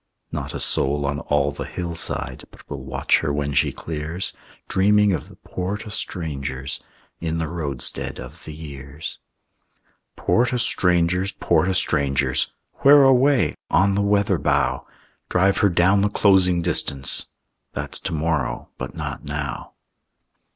Not a soul on all the hillside But will watch her when she clears, Dreaming of the Port o' Strangers In the roadstead of the years. "Port o' Strangers, Port o' Strangers!" "Where away?" "On the weather bow." "Drive her down the closing distance!"... That's to morrow, but not now.